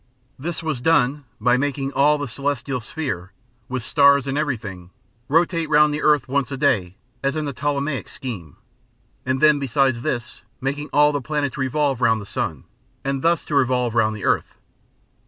This was done by making all the celestial sphere, with stars and everything, rotate round the earth once a day, as in the Ptolemaic scheme; and then besides this making all the planets revolve round the sun, and this to revolve round the earth.